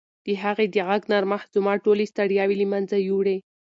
د هغې د غږ نرمښت زما ټولې ستړیاوې له منځه یووړې.